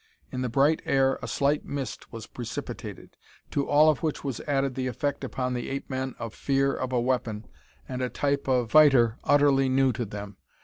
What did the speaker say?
In the bright air a slight mist was precipitated. To all of which was added the effect upon the ape men of fear of a weapon and a type of fighter utterly new to them.